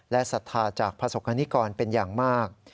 และศรรษ์ธาตุจากภาษฐกนิกรเป็นอย่างมาก